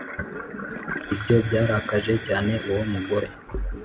Ibyo byarakaje cyane uwo mugore